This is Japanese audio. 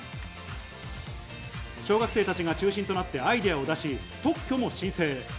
小学生たちが中心となって、アイデアを出し、特許も申請。